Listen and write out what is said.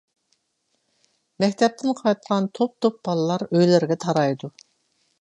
مەكتەپتىن قايتقان توپ-توپ بالىلار ئۆيلىرىگە تارايدۇ.